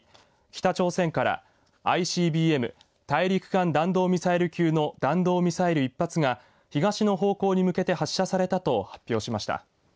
北朝鮮からＩＣＢＭ大陸間弾道ミサイル級の弾道ミサイル１発が東の方向に向けて発射されたと発表しました。